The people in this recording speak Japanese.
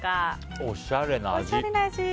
おしゃれな味！